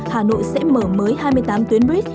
hà nội sẽ mở mới hai mươi tám tuyến buýt